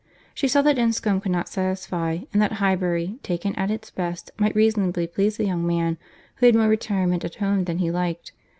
She saw that Enscombe could not satisfy, and that Highbury, taken at its best, might reasonably please a young man who had more retirement at home than he liked.